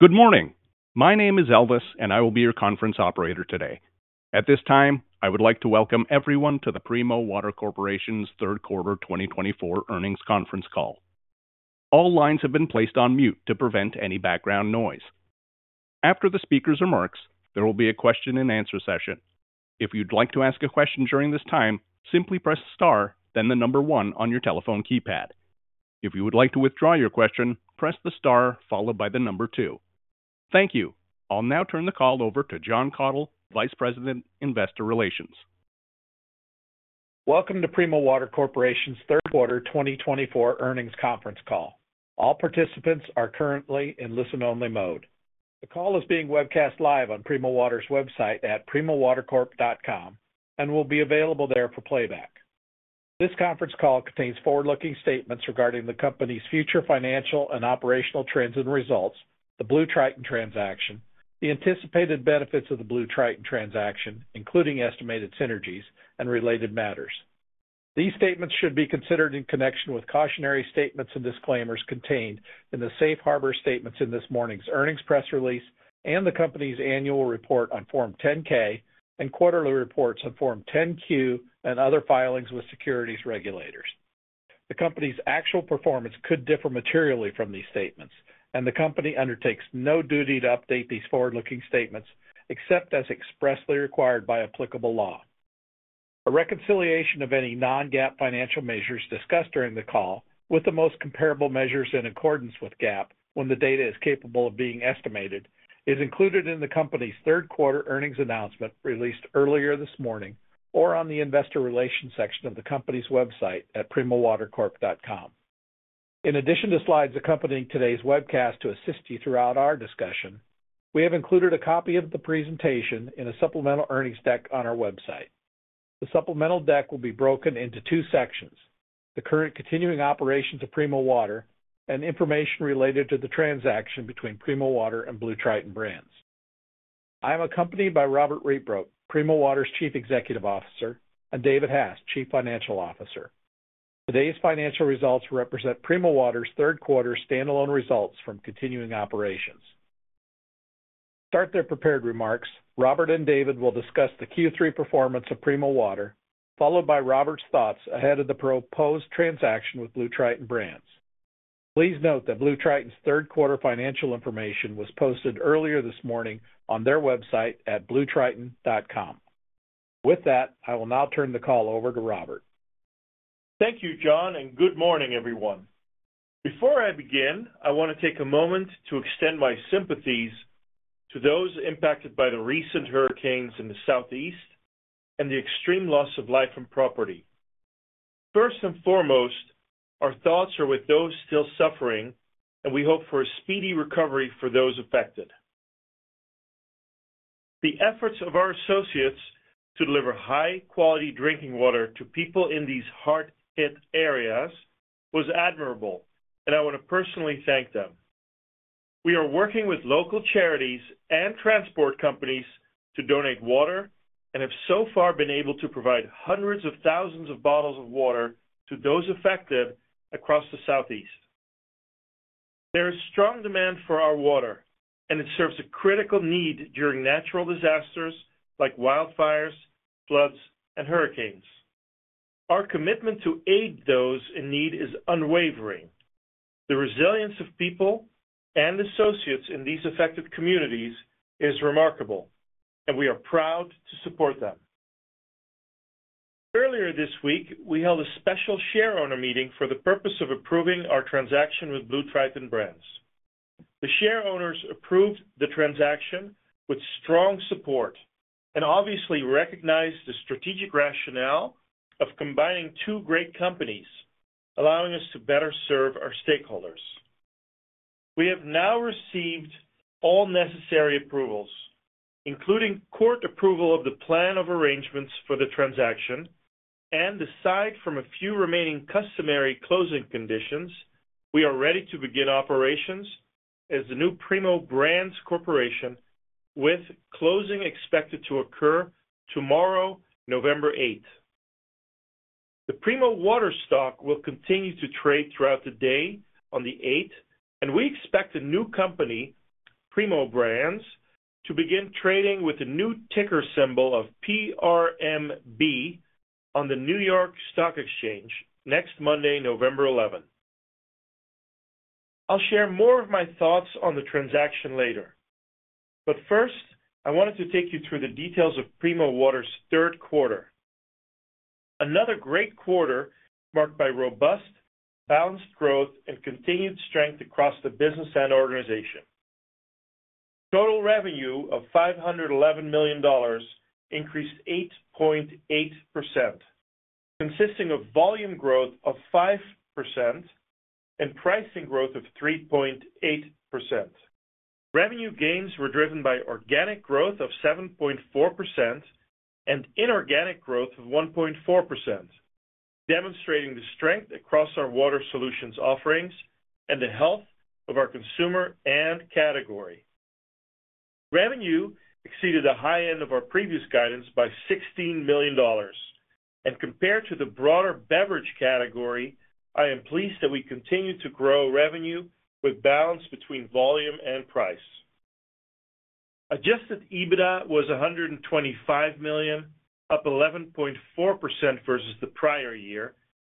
Good morning. My name is Elvis and I will be your conference operator today. At this time I would like to welcome everyone to the Primo Water Corporation's third quarter 2024 earnings conference call. All lines have been placed on mute to prevent any background noise. After the speaker's remarks, there will be a question and answer session. If you'd like to ask a question during this time, simply press star, then the number one on your telephone keypad. If you would like to withdraw your question, press the star followed by the number two. Thank you. I'll now turn the call over to John Caudle, Vice President, Investor Relations. Welcome to Primo Water Corporation's third quarter 2024 earnings conference call. All participants are currently in listen-only mode. The call is being webcast live on Primo Water's website at primowatercorp.com and will be available there for playback. This conference call contains forward-looking statements regarding the Company's future financial and operational trends and results. The BlueTriton Transaction, the anticipated benefits of the BlueTriton transaction, including estimated synergies and related matters. These statements should be considered in connection with cautionary statements and disclaimers contained in the Safe Harbor statements in this morning's earnings press release and the Company's Annual Report on Form 10-K and quarterly reports on Form 10-Q and other filings with securities regulators. The Company's actual performance could differ materially from these statements and the Company undertakes no duty to update these forward-looking statements except as expressly required by applicable law. A reconciliation of any non-GAAP financial measures discussed during the call with the most comparable measures in accordance with GAAP, when the data is capable of being estimated, is included in the Company's third quarter earnings announcement released earlier this morning or on the Investor Relations section of the company's website at primowatercorp.com in addition to slides accompanying today's webcast. To assist you throughout our discussion, we have included a copy of the presentation in a supplemental earnings deck on our website. The supplemental deck will be broken into two sections, the current continuing operations of Primo Water and information related to the transaction between Primo Water and BlueTriton Brands. I am accompanied by Robert Rietbroek, Primo Water's Chief Executive Officer, and David Hass, Chief Financial Officer. Today's financial results represent Primo Water's third quarter standalone results from continuing operations. Start their prepared remarks. Robert and David will discuss the Q3 performance of Primo Water, followed by Robert's thoughts ahead of the proposed transaction with BlueTriton Brands. Please note that BlueTriton's third quarter financial information was posted earlier this morning on their website at bluetriton.com. With that, I will now turn the call over to Robert. Thank you John and good morning everyone. Before I begin, I want to take a moment to extend my sympathies to those impacted by the recent hurricanes in the Southeast and the extreme loss of life and property. First and foremost, our thoughts are with those still suffering and we hope for a speedy recovery for those affected. The efforts of our associates to deliver high quality drinking water to people in these hard hit areas was admirable and I want to personally thank them. We are working with local charities and transport companies to donate water and have so far been able to provide hundreds of thousands of bottles of water to those affected across the Southeast. There is strong demand for our water and it serves a critical need during natural disasters like wildfires, floods and hurricanes. Our commitment to aid those in need is unwavering. The resilience of people and associates in these affected communities is remarkable and we are proud to support them. Earlier this week we held a special shareholder meeting for the purpose of approving our transaction with BlueTriton Brands. The shareholders approved the transaction with strong support and obviously recognized the strategic rationale of combining two great companies allowing us to better serve our stakeholders. We have now received all necessary approvals, including court approval of the plan of arrangement for the transaction and aside from a few remaining customary closing conditions, we are ready to begin operations as the new Primo Brands Corporation. With closing expected to occur tomorrow, November 8th. The Primo Water stock will continue to trade throughout the day and on the 8th, and we expect a new company, Primo Brands, to begin trading with a new ticker symbol of PRMB on the New York Stock Exchange next Monday, November 11th. I'll share more of my thoughts on the transaction later, but first I wanted to take you through the details of Primo Water's third quarter, another great quarter marked by robust balanced growth and continued strength across the business and organization. Total revenue of $511 million increased 8.8%, consisting of volume growth of 5% and pricing growth of 3.8%. Revenue gains were driven by organic growth of 7.4% and inorganic growth of 1.4%, demonstrating the strength across our water solutions offerings and the health of our consumer. Category revenue exceeded the high end of our previous guidance by $16 million and compared to the broader beverage category, I am pleased that we continue to grow revenue with balance between volume and price. Adjusted EBITDA was $125 million, up 11.4% versus the prior year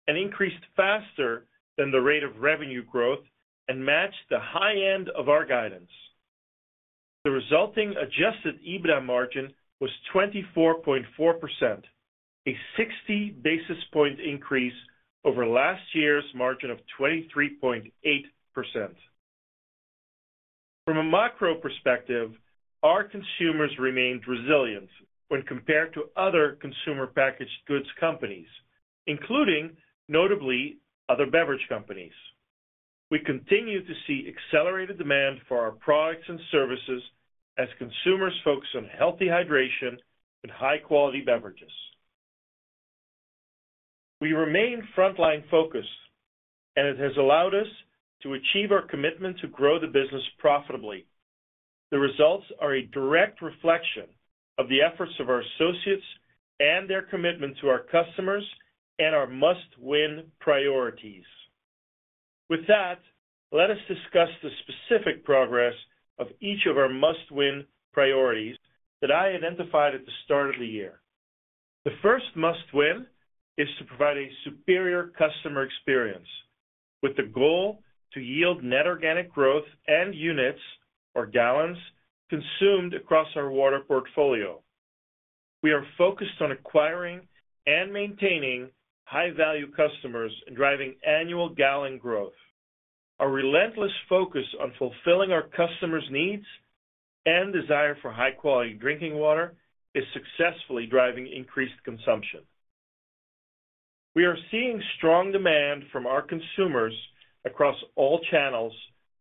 and increased faster than the rate of revenue growth and matched the high end of our guidance. The resulting Adjusted EBITDA margin was 24.4%, a 60 basis points increase over last year's margin of 23.8%. From a macro perspective, our consumers remained resilient when compared to other consumer packaged goods companies, including notably other beverage companies. We continue to see accelerated demand for our products and services as consumers focus on healthy hydration and high quality beverages. We remain frontline focused and it has allowed us to achieve our commitment to grow the business profitably. The results are a direct reflection of the efforts of our associates and their commitment to our customers and our Must-Win priorities. With that, let us discuss the specific progress of each of our Must-Win priorities that I identified at the start of the year. The first Must-Win is to provide a superior customer experience with the goal to yield net organic growth and units or gallons consumed. Across our water portfolio, we are focused on acquiring and maintaining high value customers and driving annual gallon growth. Our relentless focus on fulfilling our customers' needs and desire for high quality drinking water is successfully driving increased consumption. We are seeing strong demand from our consumers across all channels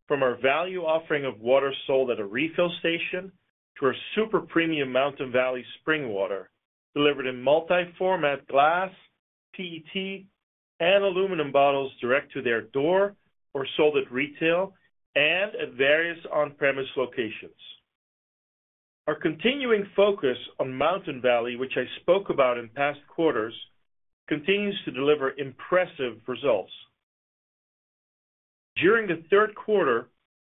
from our value offering of water sold at a Refill station to our super premium Mountain Valley Spring Water delivered in multi-format glass, PET, and aluminum bottles direct to their door or sold at retail and at various on-premise locations. Our continuing focus on Mountain Valley, which I spoke about in past quarters, continues to deliver impressive results. During the third quarter,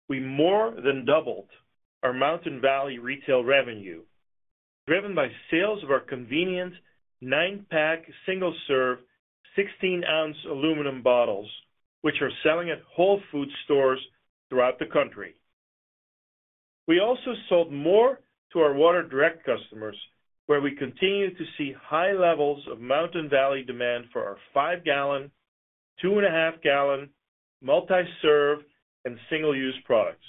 we more than doubled our Mountain Valley retail revenue driven by sales of our convenient nine-pack single-serve 16-ounce aluminum bottles, which are selling at Whole Foods stores throughout the country. We also sold more to our Water Direct customers, where we continue to see high levels of Mountain Valley demand for our five-gallon, two-and-a-half-gallon multi-serve, and single-use products.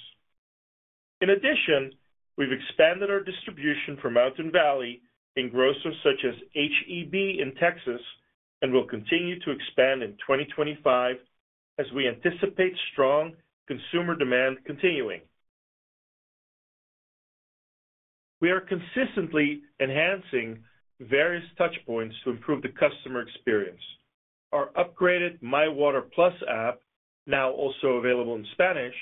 In addition, we've expanded our distribution for Mountain Valley to grocers such as H-E-B in Texas and will continue to expand in 2025 as we anticipate strong consumer demand continuing. We are consistently enhancing various touch points to improve the customer experience. Our upgraded My Water+ app, now also available in Spanish,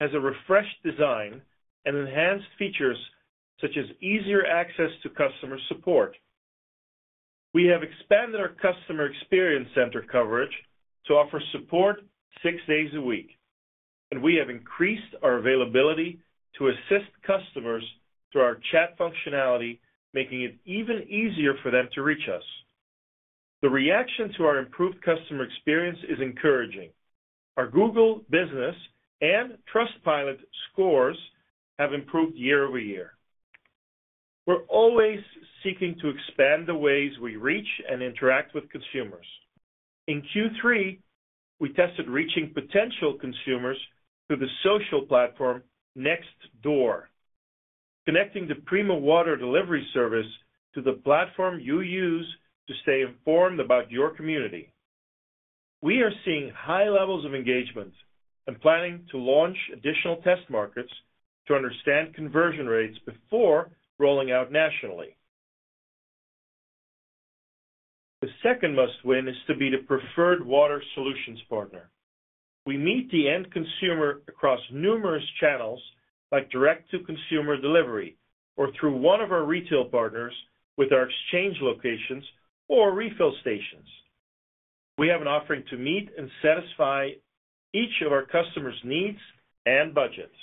has a refreshed design and enhanced features such as easier access to customer support. We have expanded our customer experience center coverage to offer support six days a week and we have increased our availability to assist customers through our chat functionality, making it even easier for them to reach us. The reaction to our improved customer experience is encouraging. Our Google Business and Trustpilot scores have improved year over year. We're always seeking to expand the ways we reach and interact with consumers. In Q3, we tested reaching potential consumers through the social platform Nextdoor, connecting the Primo water delivery service to the platform you use to stay informed about your community. We are seeing high levels of engagement and planning to launch additional test markets to understand conversion rates before rolling out nationally. The second Must-Win is to be the preferred Water Solutions partner. We meet the end consumer across numerous channels like direct to consumer delivery or through one of our retail partners. With our exchange locations or Refill stations, we have an offering to meet and satisfy each of our customers' needs and budgets.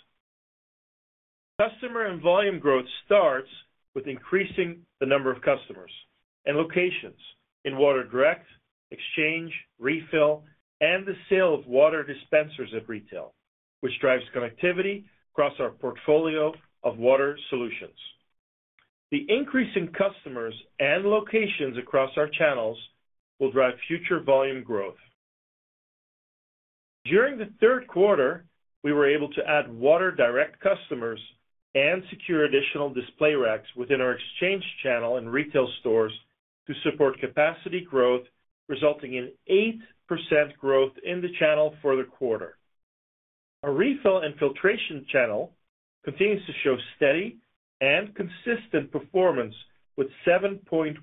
Customer and volume growth starts with increasing the number of customers and locations in Water Direct, Exchange, Refill and the sale of water dispensers at retail which drives connectivity across our portfolio of Water Solutions. The increase in customers and locations across our channels will drive future volume growth. During the third quarter we were able to add Water Direct customers and secure additional display racks within our exchange channel and retail stores to support capacity growth resulting in 8% growth in the channel for the quarter. Our refill and filtration channel continues to show steady and consistent performance with 7.1%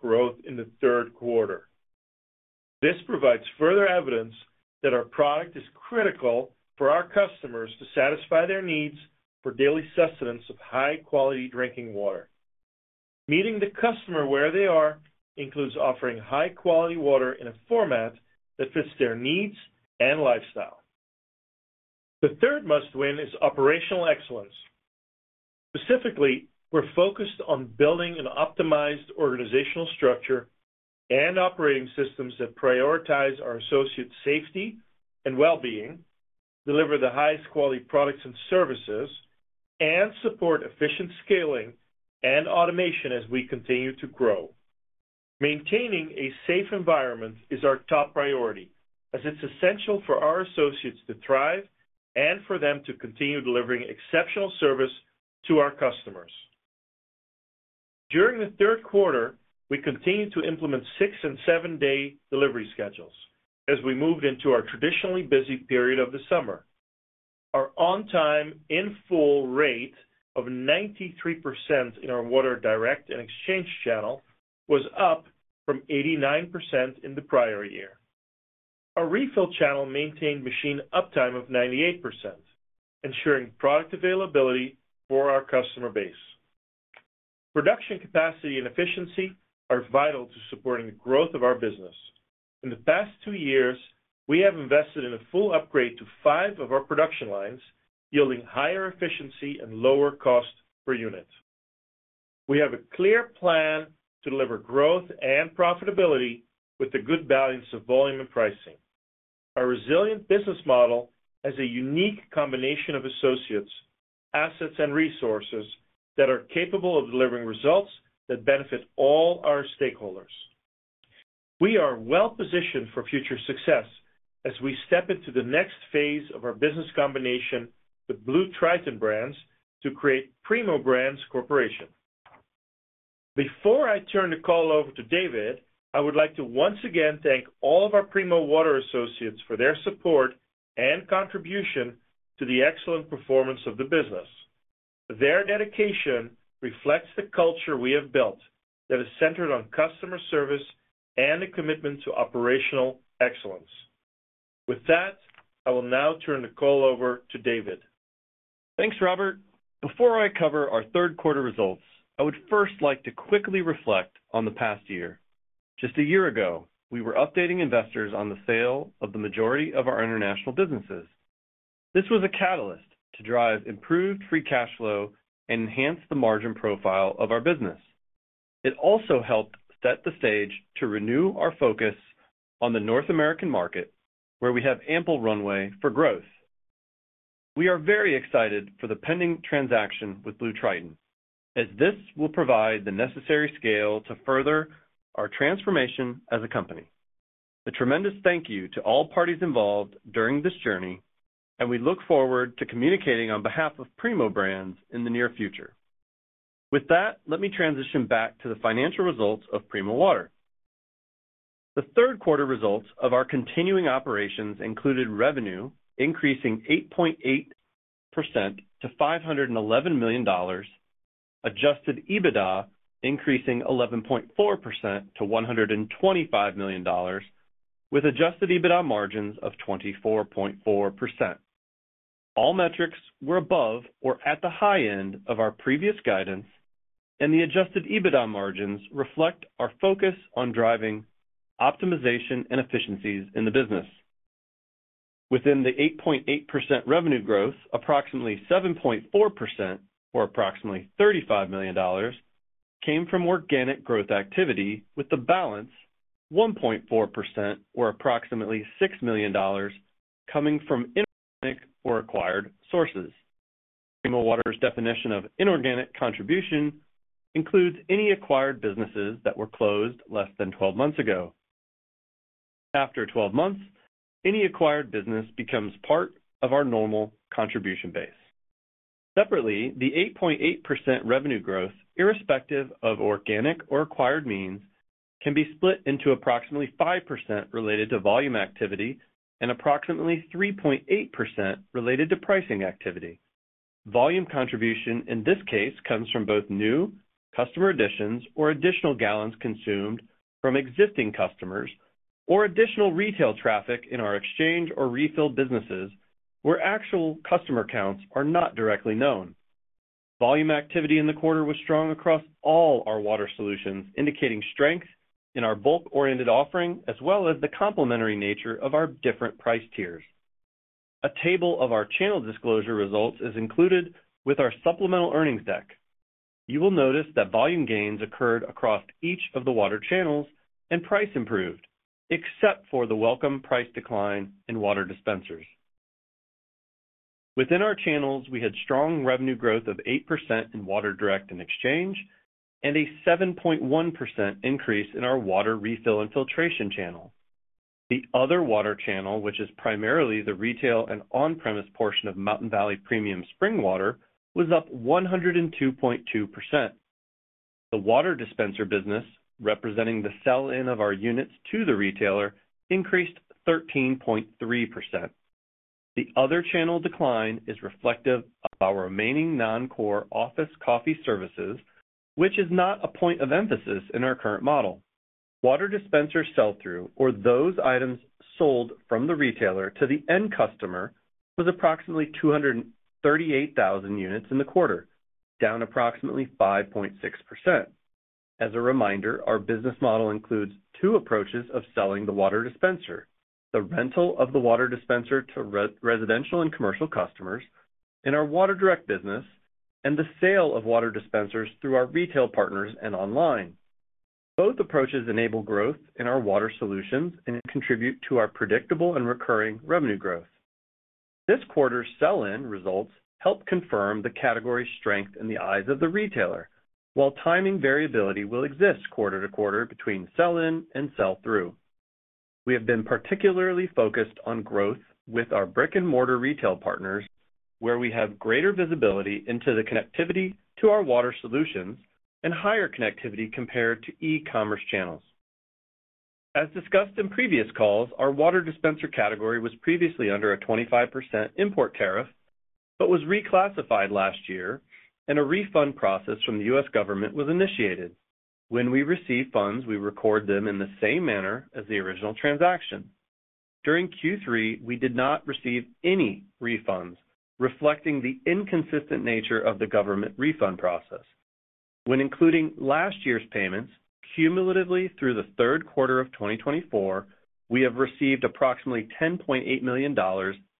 growth in the third quarter. This provides further evidence that our product is critical for our customers to satisfy their needs for daily sustenance of high quality drinking water. Meeting the customer where they are includes offering high quality water in a format that fits their needs and lifestyle. The third Must-Win is operational excellence. Specifically, we're focused on building an optimized organizational structure and operating systems that prioritize our associate's safety and well-being, deliver the highest quality products and services and support efficient scaling and automation as we continue to grow. Maintaining a safe environment is our top priority as it's essential for our associates to thrive and for them to continue delivering exceptional service to our customers. During the third quarter we continued to implement six and seven day delivery schedules as we moved into our traditionally busy period of the summer. Our On-Time-In-Full rate of 93% in our Water Direct and Water Exchange channel was up from 89% in the prior year. Our Water Refill channel maintained machine uptime of 98%, ensuring product availability for our customer base. Production capacity and efficiency are vital to supporting the growth of our business. In the past two years we have invested in a full upgrade to five of our production lines yielding higher efficiency and lower cost per unit. We have a clear plan to deliver growth and profitability with a good balance of volume and pricing. Our resilient business model has a unique combination of associates, assets and resources that are capable of delivering results that benefit all our stakeholders. We are well positioned for future success as we step into the next phase of our business combination with BlueTriton Brands to create Primo Brands Corporation. Before I turn the call over to David, I would like to once again thank all of our Primo Water associates for their support and contribution to the excellent performance of the business. Their dedication reflects the culture we have built that is centered on customer service and a commitment to operational excellence. With that, I will now turn the call over to David. Thanks, Robert. Before I cover our third quarter results, I would first like to quickly reflect on the past year. Just a year ago we were updating investors on the sale of the majority of our international businesses. This was a catalyst to drive improved free cash flow and enhance the margin profile of our business. It also helped set the stage to renew our focus on the North American market where we have ample runway for growth. We are very excited for the pending transaction with BlueTriton as this will provide the necessary scale to further our transformation as a company. A tremendous thank you to all parties involved during this journey and we look forward to communicating on behalf of Primo Brands in the near future. With that, let me transition back to the financial results of Primo Water. The third quarter results of our continuing operations included revenue increasing 8.8% to $511 million, adjusted EBITDA increasing 11.4% to $125 million with adjusted EBITDA margins of 24.4%. All metrics were above or at the high end of our previous guidance, and the adjusted EBITDA margins reflect our focus on driving optimization and efficiencies in the business. Within the 8.8% revenue growth, approximately 7.4% or approximately $35 million came from organic growth activity, with the balance 1.4% or approximately $6 million coming from acquired sources. Our definition of inorganic contribution includes any acquired businesses that were closed less than 12 months ago. After 12 months, any acquired business becomes part of our normal contribution base. Separately, the 8.8% revenue growth irrespective of organic or acquired means can be split into approximately 5% related to volume activity and approximately 3.8% related to pricing activity. Volume contribution in this case comes from both new customer additions or additional gallons consumed from existing customers or additional retail traffic in our exchange or Refill businesses where actual customer counts are not directly known. Volume activity in the quarter was strong across all our water solutions, indicating strength in our bulk oriented offering as well as the complementary nature of our different price tiers. A table of our channel disclosure results is included with our supplemental earnings deck. You will notice that volume gains occurred across each of the water channels and price improved. Except for the welcome price decline in water dispensers within our channels, we had strong revenue growth of 8% in Water Direct and exchange and a 7.1% increase in our Water Refill and filtration channel. The other water channel, which is primarily the retail and on-premise portion of Mountain Valley Spring Water, was up 102.2%. The water dispenser business representing the sell-in of our units to the retailer increased 13.3%. The other channel decline is reflective of our remaining non-core office coffee services, which is not a point of emphasis in our current model. Water dispenser sell-through, or those items sold from the retailer to the end customer, was approximately 238,000 units in the quarter, down approximately 5.6%. As a reminder, our business model includes two approaches of selling the water dispenser: the rental of the water dispenser to residential and commercial customers in our Water Direct business and the sale of water dispensers through our retail partners and online. Both approaches enable growth in our water solutions and contribute to our predictable and recurring revenue growth. This quarter's sell in results help confirm the category strength in the eyes of the retailer, while timing variability will exist quarter to quarter between sell in and sell through. We have been particularly focused on growth with our brick and mortar retail partners where we have greater visibility into the connectivity to our water solutions and higher connectivity compared to E-commerce channels. As discussed in previous calls, our water dispenser category was previously under a 25% import tariff but was reclassified last year and a refund process from the U.S. Government was initiated. When we receive funds, we record them in the same manner as the original transaction. During Q3 we did not receive any refunds, reflecting the inconsistent nature of the government refund process when including last year's payments. Cumulatively through the third quarter of 2024 we have received approximately $10.8 million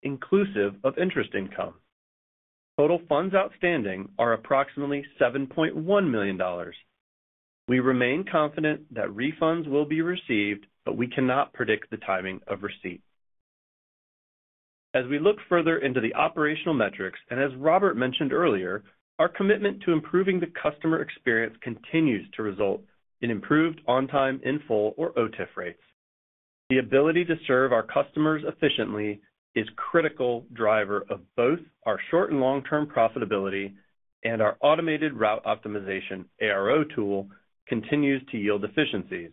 inclusive of interest income. Total funds outstanding are approximately $7.1 million. We remain confident that refunds will be received, but we cannot predict the timing of receipt. As we look further into the operational metrics and as Robert mentioned earlier, our commitment to improving the customer experience continues to result in improved On-Time-In-Full or OTIF rates. The ability to serve our customers efficiently is critical driver of both our short- and long-term profitability and our automated route optimization tool continues to yield efficiencies.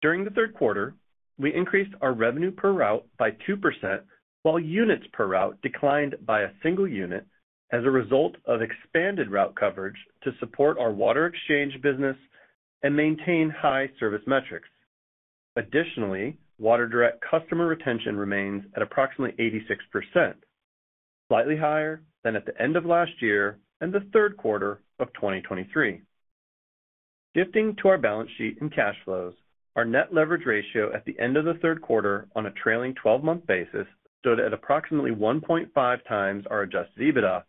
During the third quarter, we increased our revenue per route by 2% while units per route declined by a single unit as a result of expanded route coverage to support our water exchange business and maintain high service metrics. Additionally, water direct customer retention remains at approximately 86%, slightly higher than at the end of last year and the third quarter but 2023. Shifting to our balance sheet and cash flows. Our net leverage ratio at the end of the third quarter on a trailing 12-month basis stood at approximately 1.5 times our Adjusted EBITDA,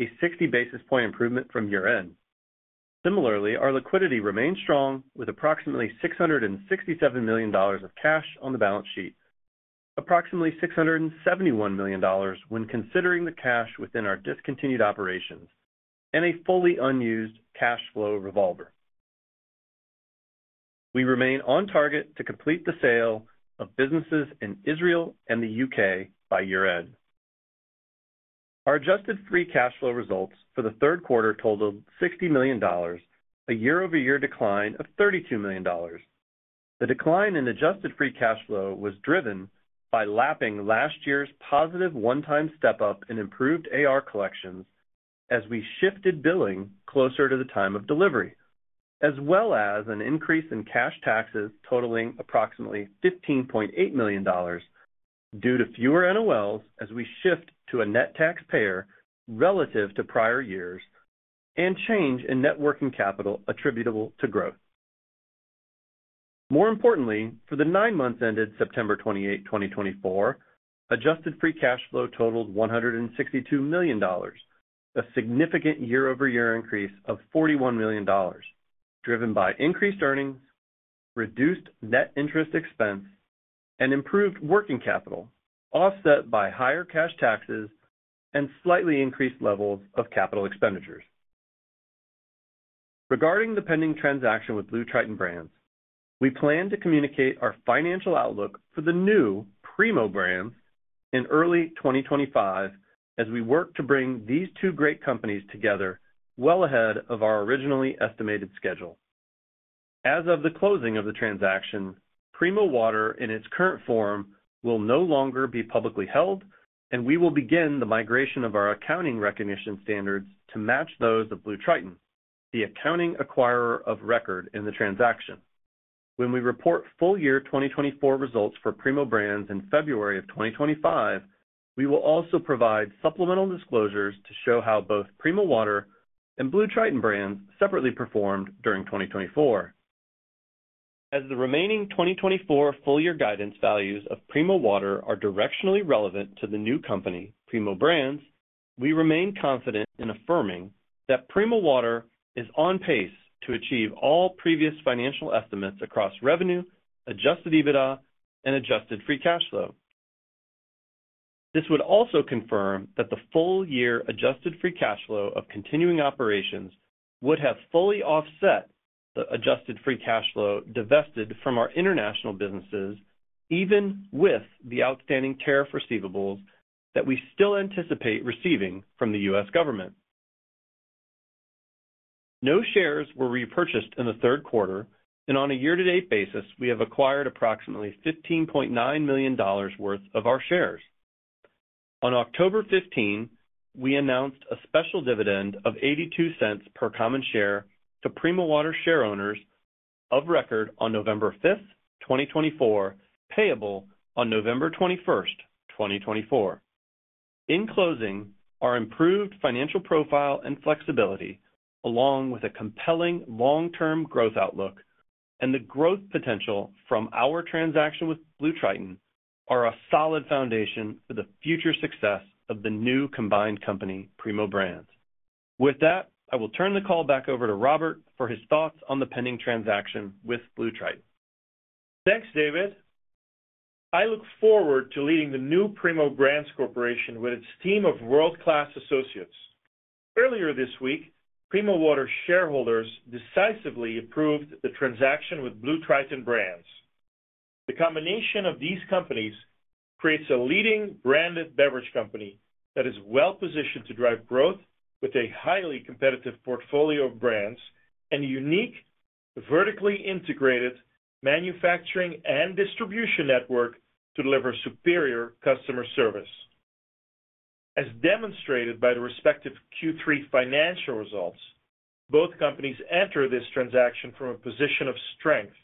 a 60 basis points improvement from year-end. Similarly, our liquidity remains strong with approximately $667 million of cash on the balance sheet, approximately $671 million. When considering the cash within our discontinued operations and a fully unused cash flow revolver, we remain on target to complete the sale of businesses in Israel and the UK by year-end. Our Adjusted Free Cash Flow results for the third quarter totaled $60 million, a year-over-year decline of $32 million. The decline in adjusted free cash flow was driven by lapping last year's positive one-time step up in improved AR collections as we shifted billing closer to the time of delivery as well as an increase in cash taxes totaling approximately $15.8 million due to fewer NOLs as we shift to a net taxpayer relative to prior years and change in net working capital attributable to growth. More importantly, for the nine months ended September 28, 2024, adjusted free cash flow totaled $162 million, a significant year-over-year increase of $41 million driven by increased earnings, reduced net interest expense and improved working capital offset by higher cash taxes and slightly increased levels of capital expenditures. Regarding the pending transaction with BlueTriton Brands, we plan to communicate our financial outlook for the new Primo Brands in early 2025 as we work to bring these two great companies together well ahead of our originally estimated schedule. As of the closing of the transaction, Primo Water in its current form will no longer be publicly held and we will begin the migration of our accounting recognition standards to match those of BlueTriton, the accounting acquirer of record in the transaction. When we report full year 2024 results for Primo Brands in February of 2025, we will also provide supplemental disclosures to show how both Primo Water and BlueTriton brands separately performed during 2024 as the remaining 2024 full year guidance values of Primo Water are directionally relevant to the new company, Primo Brands. We remain confident in affirming that Primo Water is on pace to achieve all previous financial estimates across revenue, Adjusted EBITDA and Adjusted Free Cash Flow. This would also confirm that the full year Adjusted Free Cash Flow of continuing operations would have fully offset the Adjusted Free Cash Flow divested from our international businesses. Even with the outstanding tariff receivables that we still anticipate receiving from the U.S. Government. No shares were repurchased in the third quarter and on a year to date basis we have acquired approximately $15.9 million worth of our shares. On October 15th, we announced a special dividend of $0.82 per common share to Primo Water share owners of record on November 5, 2024, payable on November 21, 2024. In closing, our improved financial profile and flexibility along with a compelling long term growth outlook and the growth potential from our transaction with BlueTriton are a solid foundation for the future success of the new combined company Primo Brands. With that, I will turn the call back over to Robert for his thoughts on the pending transaction with BlueTriton. Thanks David. I look forward to leading the new Primo Brands Corporation with its team of world class associates. Earlier this week, Primo Water shareholders decisively approved the transaction with BlueTriton Brands. The combination of these companies creates a leading branded beverage company that is well positioned to drive growth with a highly competitive portfolio of brands and unique vertically integrated manufacturing and distribution network to deliver superior customer service as demonstrated by the respective Q3 financial results. Both companies enter this transaction from a position of strength.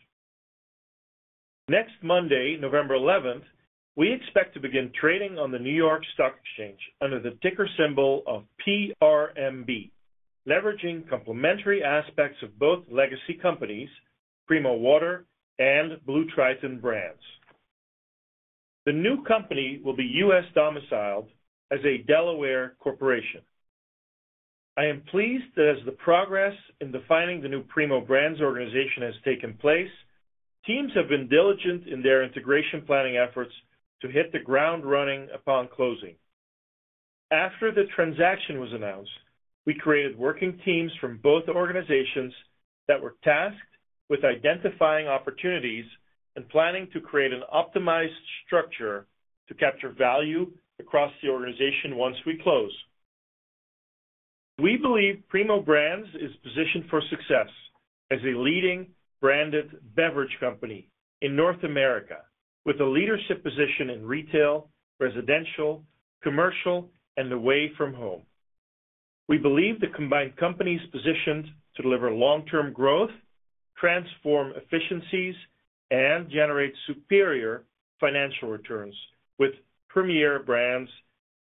Next Monday, November 11th, we expect to begin trading on the New York Stock Exchange under the ticker symbol of PRMB, leveraging complementary aspects of both legacy companies, Primo Water and BlueTriton Brands. The new company will be U.S. domiciled as a Delaware corporation. I am pleased that as the progress in defining the new Primo Brands organization has taken place, teams have been diligent in their integration planning efforts to hit the ground running upon closing. After the transaction was announced, we created working teams from both organizations that were tasked with identifying opportunities and planning to create an optimized structure to capture value across the organization. Once we close, we believe Primo Brands is positioned for success as a leading branded beverage company in North America with a leadership position in retail, residential, commercial and away from home. We believe the combined company is positioned to deliver long-term growth, transform efficiencies and generate superior financial returns with Primo Brands,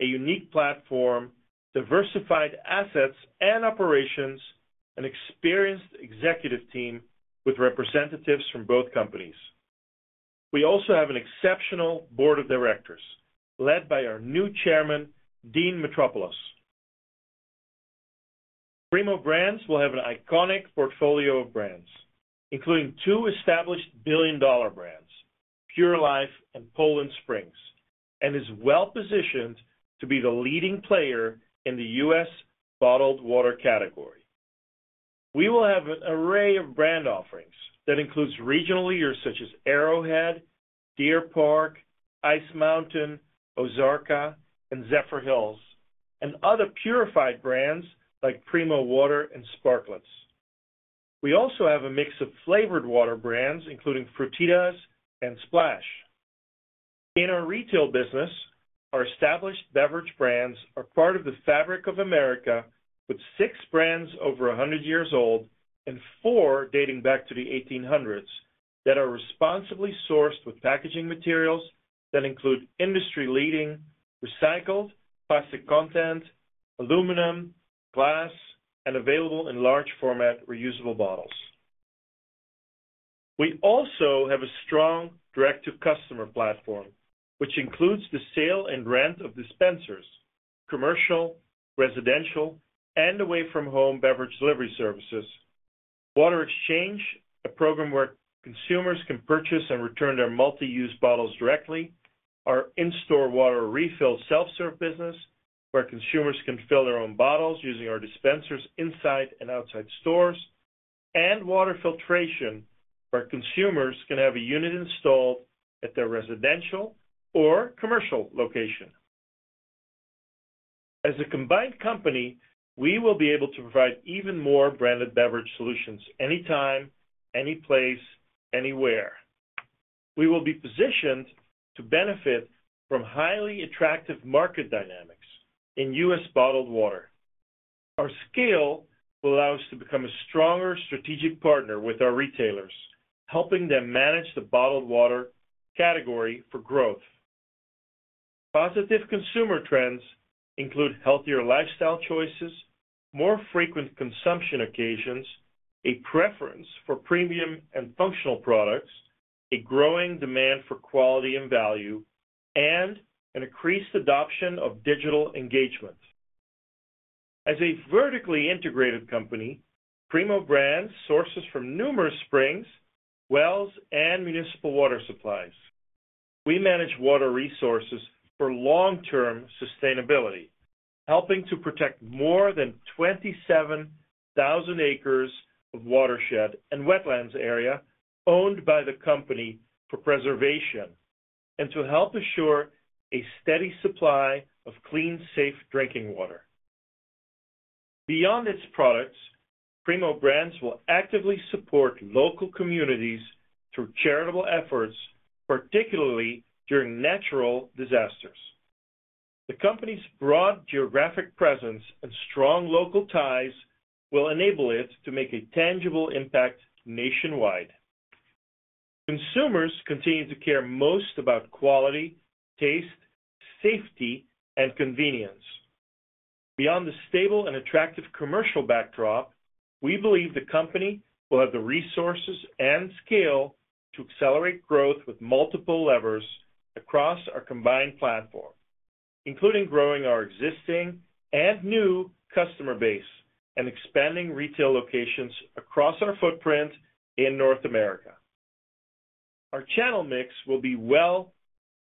a unique platform, diversified assets and operations, an experienced executive team with representatives from both companies. We also have an exceptional board of directors led by our new Chairman Dean Metropoulos. Primo Brands will have an iconic portfolio of brands including two established billion dollar brands, Pure Life and Poland Spring and is well positioned to be the leading player in the U.S. Bottled water category. We will have an array of brand offerings that includes regional leaders such as Arrowhead, Deer Park, Ice Mountain, Ozarka and Zephyrhills and other purified brands like Primo Water and Sparkletts. We also have a mix of flavored water brands including Frutitas and Splash in our retail business. Our established beverage brands are part of the fabric of America with six brands over 100 years old and four dating back to the 1800s that are responsibly sourced with packaging materials that include industry leading recycled plastic content, aluminum, glass and available in large format reusable bottles. We also have a strong direct-to-customer platform which includes the sale and rent of dispensers, commercial, residential, and away-from-home beverage delivery services, Water Exchange, a program where consumers can purchase and return their multi-use bottles directly, our in-store water Refill Self-Serve Business where consumers can fill their own bottles using our dispensers inside and outside stores, and water filtration where consumers can have a unit installed at their residential or commercial location. As a combined company, we will be able to provide even more branded beverage solutions anytime, any place, anywhere. We will be positioned to benefit from highly attractive market dynamics in U.S. bottled water. Our scale will allow us to become a stronger strategic partner with our retailers, helping them manage the bottled water category for growth. Positive consumer trends include healthier lifestyle choices, more frequent consumption occasions, a preference for premium and functional products, a growing demand for quality and value and increased adoption of digital engagement. As a vertically integrated company, Primo Brands sources from numerous springs, wells and municipal water supplies. We manage water resources for long-term sustainability, helping to protect more than 27,000 acres of watershed and wetlands area owned by the company for preservation and to help assure a steady supply of clean, safe drinking water. Beyond its products, Primo Brands will actively support local communities through charitable efforts, particularly during natural disasters. The company's broad geographic presence and strong local ties will enable it to make a tangible impact to nationwide. Consumers continue to care most about quality, taste, safety and convenience beyond the stable and attractive commercial backdrop. We believe the company will have the resources and scale to accelerate growth with multiple levers across our combined platform including growing our existing and new customer base and expanding retail locations across our footprint in North America. Our channel mix will be well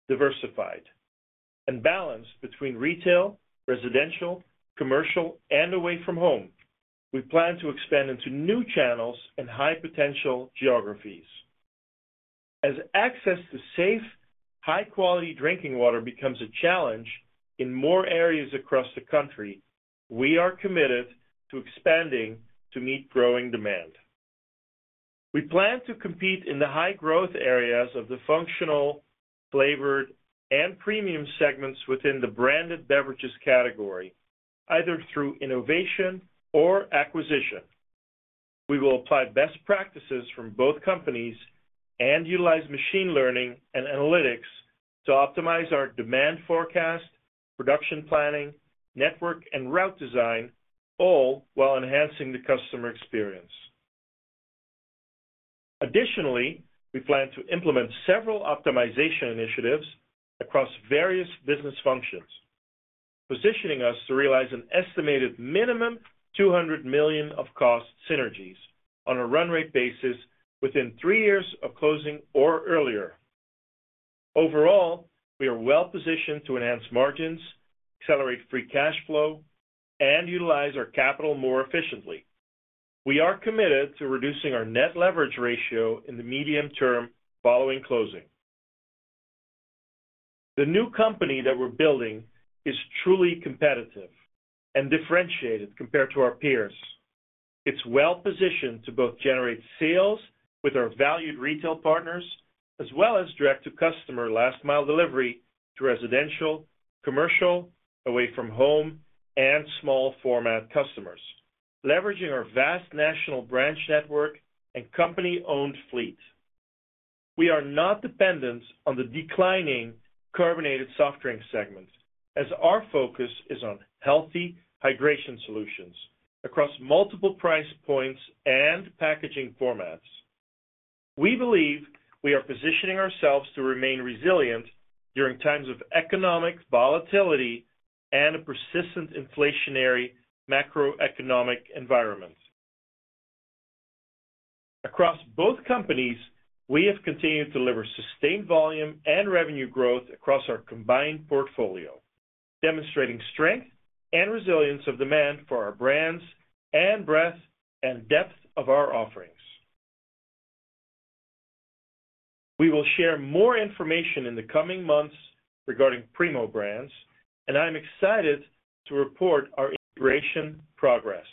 diversified and balanced between retail, residential commercial and away from home. We plan to expand into new channels and high potential geographies as access to safe, high quality drinking water becomes a challenge in more areas across the country. We are committed to expanding to meet growing demand. We plan to compete in the high growth areas of the functional, flavored and premium segments within the branded beverages category either through innovation or acquisition. We will apply best practices from both companies and utilize machine learning and analytics to optimize our demand forecast, production, planning, network and route design, all while enhancing the customer experience. Additionally, we plan to implement several optimization initiatives across various business functions, positioning us to realize an estimated minimum $200 million of cost synergies on a run rate basis within three years of closing or earlier. Overall, we are well positioned to enhance margins, accelerate free cash flow and utilize our capital more efficiently. We are committed to reducing our net leverage ratio in the medium term following closing. The new company that we're building is truly competitive and differentiated compared to our peers. It's well positioned to both generate sales with our valued retail partners as well as direct to customer, last mile delivery to residential, commercial, away from home and small format customers. Leveraging our vast national branch network and company owned fleet, we are not dependent on the declining carbonated soft drink segment as our focus is on healthy hydration solutions across multiple price points and packaging formats. We believe we are positioning ourselves to remain resilient during times of economic volatility and a persistent inflationary macroeconomic environment. Across both companies, we have continued to deliver sustained volume and revenue growth across our combined portfolio, demonstrating strength and resilience of demand for our brands and breadth and depth of our offerings. We will share more information in the coming months regarding Primo Brands and I am excited to report our integration progress.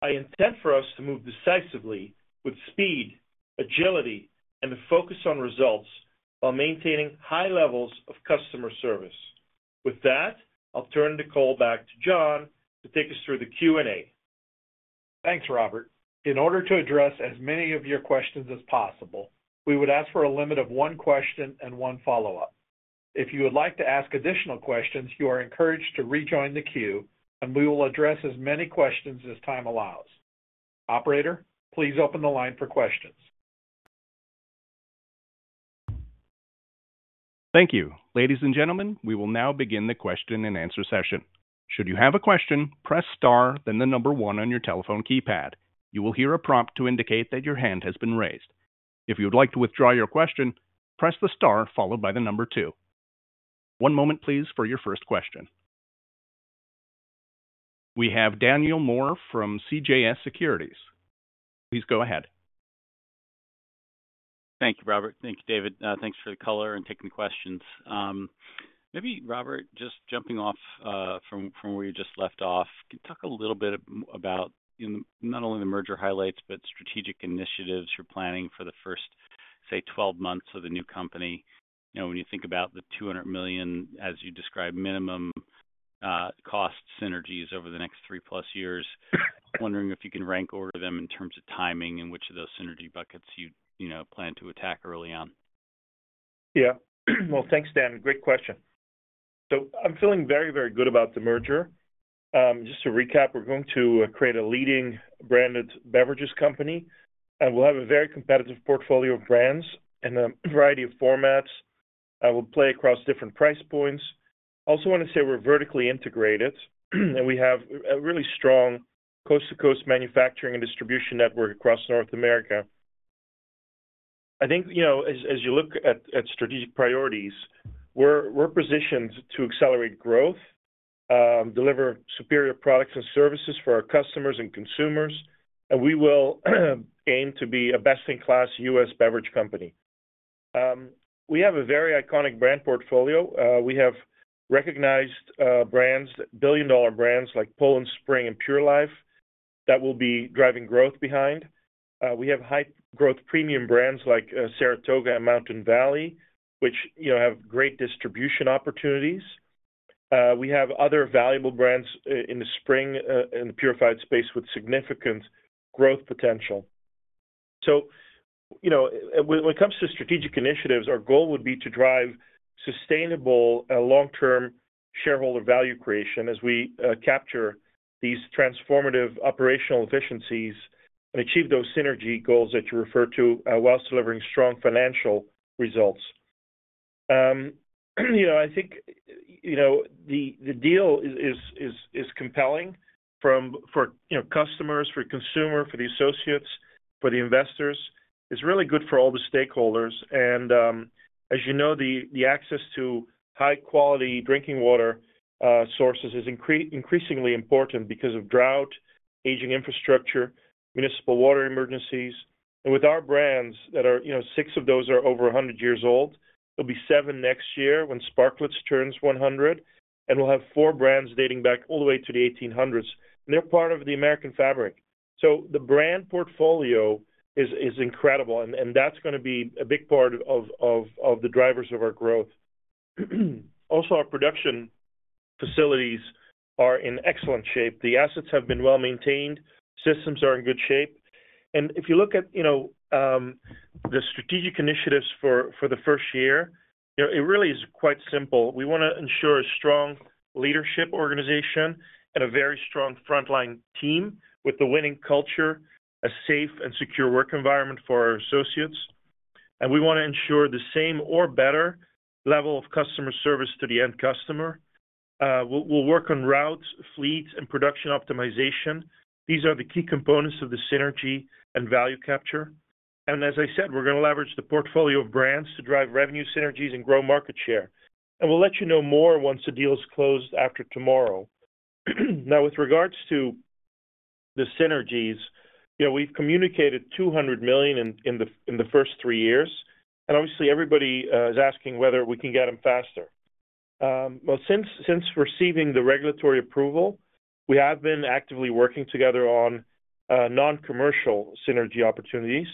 I intend for us to move decisively with speed, agility and a focus on results while maintaining high levels of customer service. With that, I'll turn the call back to John to take us through the Q and A. Thanks, Robert. In order to address as many of. Your questions as possible, we would ask. For a limit of one question and one follow up. If you would like to ask additional questions, you are encouraged to rejoin the. Q&A and we will address as many questions as time allows. Operator, please open the line for questions. Thank you. Ladies and gentlemen, we will now begin the question and answer session. Should you have a question, press star, then the number one on your telephone keypad. You will hear a prompt to indicate that your hand has been raised. If you would like to withdraw your question, press the star followed by the number two. One moment, please. For your first question, we have Daniel Moore from CJS Securities. Please go ahead. Thank you, Robert. Thank you, David. Thanks for the color and taking the questions. Maybe, Robert, just jumping off from where you just left off. Can you talk a little bit about not only the merger highlights but strategic initiatives you're planning for the first, say, 12 months of the new company. When you think about the $200 million, as you described, minimum cost synergies over the next three-plus years. Wondering if you can rank order them in terms of timing and which of those synergy buckets you plan to attack early on. Yeah, well, thanks Dan. Great question. So I'm feeling very, very good about the merger. Just to recap, we're going to create a leading branded beverages company and we'll have a very competitive portfolio of brands in a variety of formats that will play across different price points. Also want to say we're vertically integrated and we have a really strong coast to coast manufacturing and distribution network across North America. I think you know, as you look at strategic priorities, we're positioned to accelerate growth, deliver superior products and services for our customers and consumers and we will aim to be a best in class U.S. beverage company. We have a very iconic brand portfolio. We have recognized brands, billion dollar brands like Poland Spring and Pure Life that will be driving growth behind. We have high growth premium brands like Saratoga and Mountain Valley which have great distribution opportunities. We have other valuable brands in the spring, in the purified space with significant growth potential. So when it comes to strategic initiatives, our goal would be to drive sustainable long-term shareholder value creation as we capture these transformative operational efficiencies and achieve those synergy goals that you refer to while delivering strong financial results. You know, I think, you know the deal is compelling for customers, for consumers, for the associates, for the investors. It's really good for all the stakeholders, and as you know, the access to high-quality drinking water sources is increasingly important because of drought, aging infrastructure, municipal water emergencies. And with our brands that are, you know, six of those are over 100 years old, there'll be seven next year when Sparkletts turns 100 and we'll have four brands dating back all the way to the 1800s and they're part of the American fabric. So the brand portfolio is incredible and that's going to be a big part of the drivers of our growth. Also our production facilities are in excellent shape, the assets have been well maintained, systems are in good shape and if you look at the strategic initiatives for the first year, it really is quite simple. We want to ensure a strong leadership organization and a very strong frontline team with the winning culture, a safe and secure work environment for our associates and we want to ensure the same or better level of customer service to the end customer. We'll work on routes, fleets and production optimization. These are the key components of the synergy and value capture. And as I said, we're going to leverage the portfolio of brands to drive revenue synergies and grow market share. And we'll let you know more once the deal is closed after tomorrow. Now with regards to the synergies, we've communicated $200 million in the first three years and obviously everybody is asking whether we can get them faster. Since receiving the regulatory approval we have been actively working together on non commercial synergy opportunities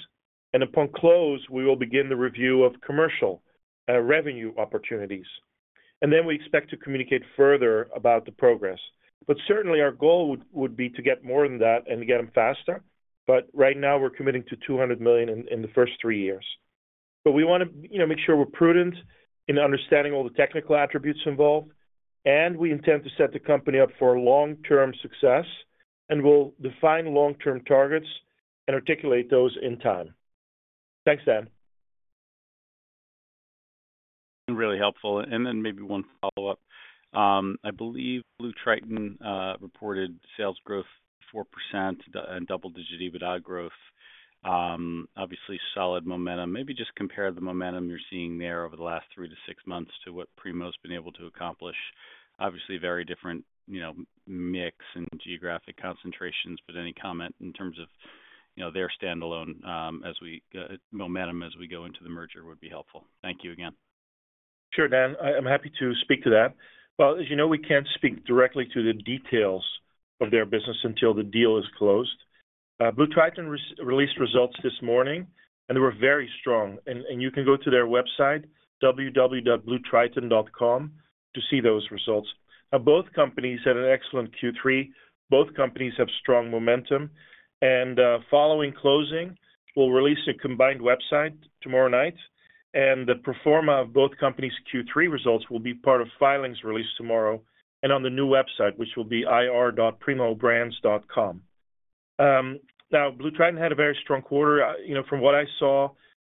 and upon close we will begin the review of commercial revenue opportunities and then we expect to communicate further about the progress. But certainly our goal would be to get more than that and get them faster. But right now we're committing to $200 million in the first three years. But we want to make sure we're prudent in understanding all the technical attributes involved and we intend to set the company up for long term success and we'll define long term targets and articulate those in time. Thanks, Dan. Really helpful. And then maybe one follow-up. I believe BlueTriton reported sales growth 4% and double-digit EBITDA growth. Obviously solid momentum. Maybe just compare the momentum you're seeing there over the last three-to-six months to what Primo's been able to accomplish. Obviously very different, you know, mix and geographic concentrations. But any comment in terms of their standalone momentum as we go into the merger would be helpful. Thank you again. Sure Dan, I'm happy to speak to that. Well, as you know we can't speak directly to the details of their business until the deal is closed. BlueTriton released results this morning and they were very strong and you can go to their website www.bluetriton.com to see those results. Both companies had an excellent Q3. Both companies have strong momentum and following closing we'll release a combined website tomorrow night and the pro forma of both companies Q3 results will be part of filings released tomorrow and on the new website which will be ir.primobrands.com. Now BlueTriton had a very strong quarter from what I saw.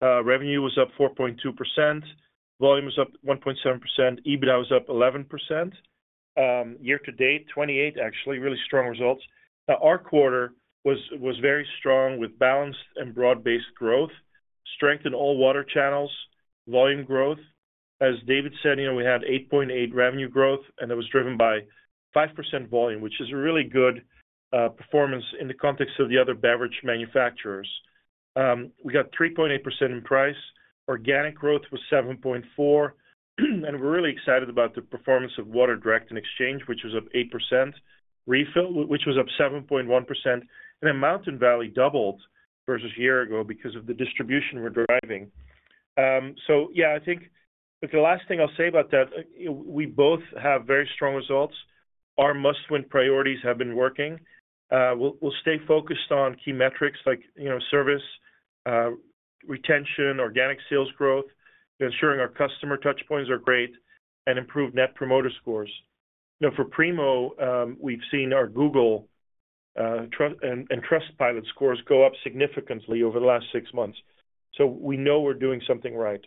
Revenue was up 4.2%, volume was up 1.7%, EBITDA was up 11% year to date, 28 actually really strong results. Our quarter was very strong with balanced and broad-based growth strength in all water channels, volume growth. As David said, we had 8.8% revenue growth and it was driven by 5% volume which is really good performance. In the context of the other beverage manufacturers, we got 3.8% in price. Organic growth was 7.4%. We're really excited about the performance of Water Direct and Exchange which was up 8%. Water Refill which was up 7.1%. Then Mountain Valley doubled versus a year ago because of the distribution we're driving. Yeah, I think the last thing I'll say about that, we both have very strong results. Our Must-Win priorities have been working. We'll stay focused on key metrics like service retention, organic sales growth, ensuring our customer touchpoints are great and improved Net Promoter Scores for Primo. We've seen our Google and Trustpilot scores go up significantly over the last six months so we know we're doing something right.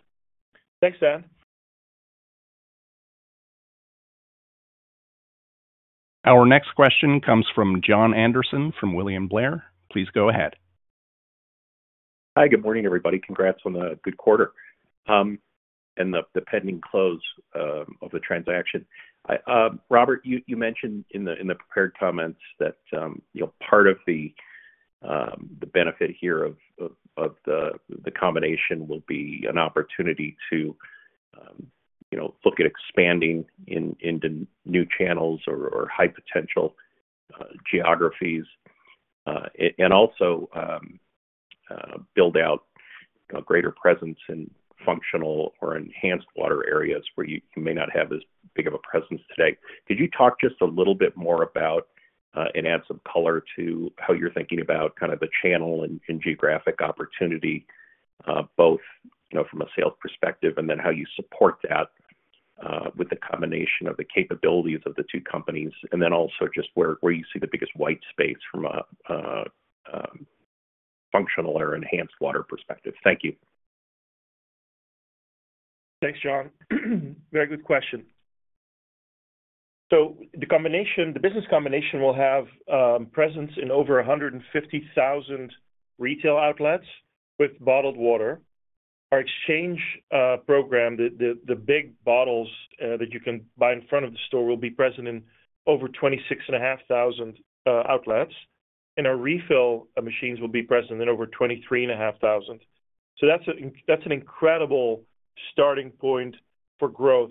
Thanks, Dan. Our next question comes from Jon Andersen from William Blair. Please go ahead. Hi, good morning everybody. Congrats on a good quarter and the pending close of the transaction. Robert, you mentioned in the prepared comments that part of the benefit here of the combination will be an opportunity to look at expanding into new channels or high potential geographies and also build out a greater presence in functional or enhanced water areas where you may not have as big of a presence today. Could you talk just a little bit more about and add some color to how you're thinking about kind of the channel and geographic opportunity both from a sales perspective and then how you support that with the combination of the capabilities of the two companies and then also just where you see the biggest white space from a functional or enhanced water perspective? Thank you. Thanks Jon. Very good question. So the combination, the business combination will have presence in over 150,000 retail outlets. With bottled water, our exchange program, the big bottles that you can buy in front of the store will be present in over 26,500 outlets and our Refill machines will be present in over 23,500. So that's an incredible starting point for growth.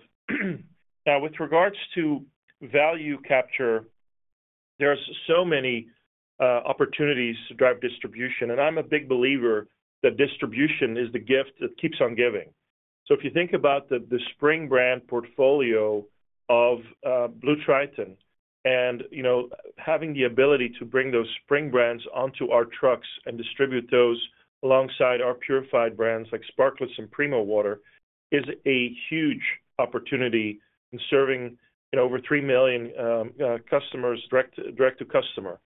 Now with regards to value capture, there's so many opportunities to drive distribution and. I'm a big believer in the distribution. It's the gift that keeps on giving. So if you think about the spring brand portfolio of BlueTriton and having the ability to bring those spring brands onto our trucks and distribute those alongside our purified brands like Sparkletts and Primo Water is a huge opportunity in serving over three million customers direct to customer.